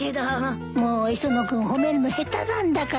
もう磯野君褒めるの下手なんだから。